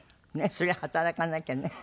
それは働かなきゃね。